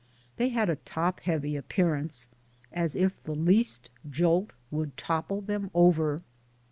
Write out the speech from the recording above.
They had a top heavy appearance, as if the least jolt would topple them over.